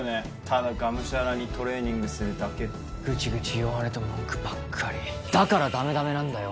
ただがむしゃらにトレーニングするだけグチグチ弱音と文句ばっかりだからダメダメなんだよ